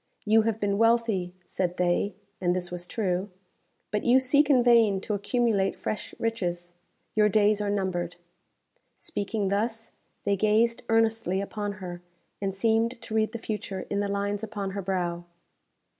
"You have been wealthy," said they (and this was true), "but you seek in vain to accumulate fresh riches. Your days are numbered." Speaking thus, they gazed earnestly upon her, and seemed to read the future in the lines upon her brow.